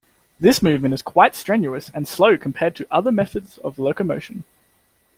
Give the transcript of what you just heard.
This movement is quite strenuous and slow compared to other methods of locomotion.